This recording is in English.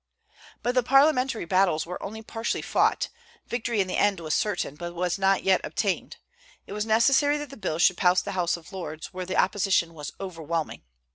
But the parliamentary battles were only partially fought; victory in the end was certain, but was not yet obtained. It was necessary that the bill should pass the House of Lords, where the opposition was overwhelming.